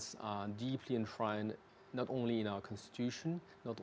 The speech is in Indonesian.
terpenuhi bukan hanya di konstitusi kita